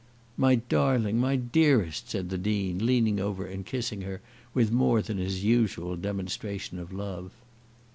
"My darling, my dearest," said the Dean, leaning over and kissing her with more than his usual demonstration of love.